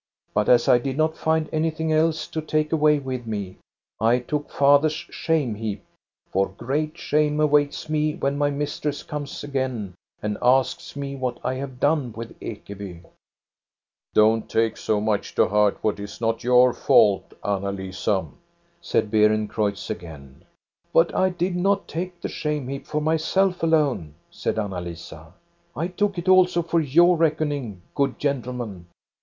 But as I did not find anything else to take away with me, I took father's shame heap ; for great shame awaits me when my mistress comes again and asks me what I have done with Ekeby.' "* Don't take so much to heart what is not your fault, Anna Lisa,' said Beerencreutz again. "' But I did not take the shame heap for myself alone,* said Anna Lisa. * I took it also for your reckoning, good gentlemen.